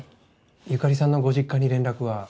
由香里さんのご実家に連絡は？